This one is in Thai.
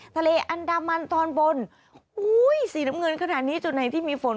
ทะเลอันดามันตอนบนสีน้ำเงินขนาดนี้จุดไหนที่มีฝน